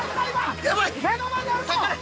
目の前にあるぞ！